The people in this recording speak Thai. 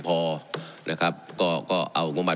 ตั้งสามสาม